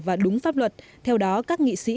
và đúng pháp luật theo đó các nghị sĩ